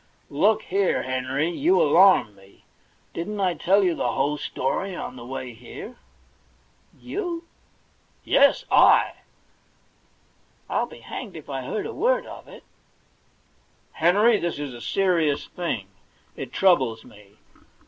'Look here, Henry, you alarm me. Didn't I tell you the whole story on the way here ?' 'You?* 'Yes,!.' * I'll be hanged if I heard a word of it.' ' Henry, this is a . serious thing. It troubles me.